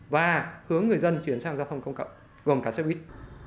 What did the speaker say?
và hướng người dân chuyển sang giao thông công cộng gồm cả xe buýt